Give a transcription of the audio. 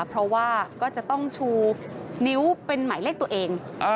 เพราะว่าก็จะต้องชูนิ้วเป็นหมายเลขตัวเอง